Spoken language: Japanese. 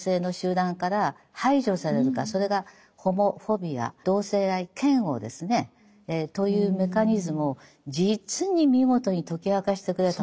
それがホモフォビア同性愛嫌悪ですねというメカニズムを実に見事に解き明かしてくれた本なんです。